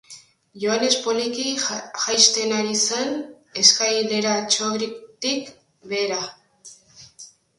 Johannes poliki jaisten ari zen eskaileratxotik behera.